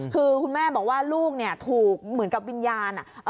คือคุณแม่บอกว่าลูกเนี่ยถูกเหมือนกับวิญญาณ